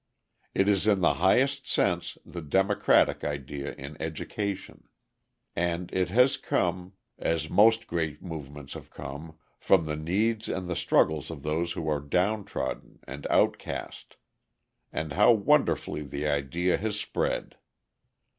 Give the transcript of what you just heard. It is in the highest sense the democratic idea in education. And it has come, as most great movements have come, from the needs and the struggles of those who are downtrodden and outcast. And how wonderfully the idea has spread!